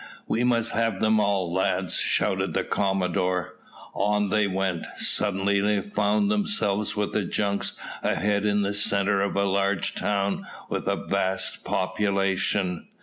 "We must have them all, lads," shouted the commodore. On they went. Suddenly they found themselves with the junks ahead in the centre of a large town with a vast population.